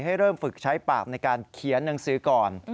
ให้เริ่มฝึกใช้ปากในการเขียนหนังสือก่อน